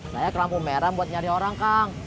saya ke lampu merah buat nyari orang kang